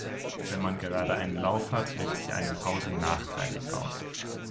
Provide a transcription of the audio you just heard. Wenn man gerade einen Lauf hat, wirkt sich eine Pause nachteilig aus.